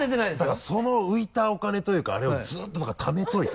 だからその浮いたお金というかあれをずっとだからためておいて。